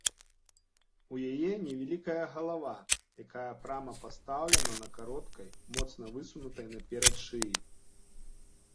У яе невялікая галава, якая прама пастаўлена на кароткай, моцна высунутай наперад шыі.